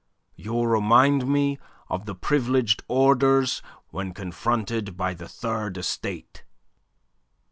You remind me of the Privileged Orders when confronted by the Third Estate."